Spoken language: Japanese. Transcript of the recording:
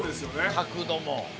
角度も。